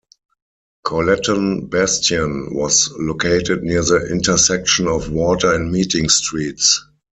Colleton Bastion was located near the intersection of Water and Meeting Streets.